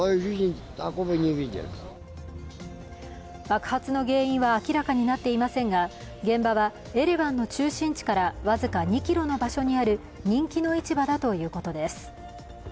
爆発の原因は明らかになっていませんが、現場はエレバンの中心地から僅か２ｋｍの場所にある人気の市場だということです。